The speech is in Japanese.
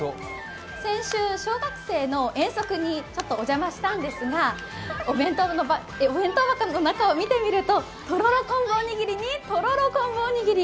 先週、小学生の遠足にちょっとお邪魔したんですがお弁当箱の中を見てみると、とろろ昆布おにぎりに、とろろ昆布おにぎり！